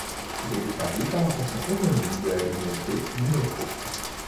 Il est desservi par la station homonyme de la ligne D du métro.